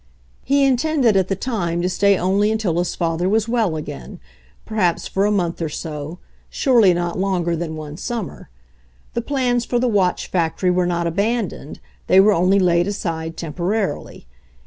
He intended at the time to stay only until his father was well again — perhaps for a month or so, surely not longer than one summer. The plans for the watch factory were not abandoned, they were only laid aside temporarily.